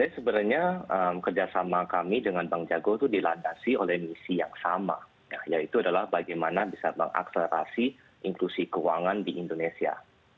sebenarnya kerjasama kami dengan bank jago itu dilandasi oleh misi yang sama yaitu adalah bagaimana bisa mengakselerasi inklusi keuangan di indonesia